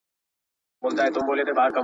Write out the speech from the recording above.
که یتیمان وساتو نو برکت نه ختمیږي.